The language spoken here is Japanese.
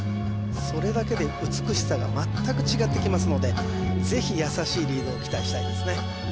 それだけで美しさが全く違ってきますのでぜひ優しいリードを期待したいですね